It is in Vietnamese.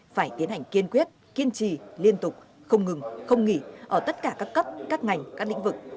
phải tiến hành kiên quyết kiên trì liên tục không ngừng không nghỉ ở tất cả các cấp các ngành các lĩnh vực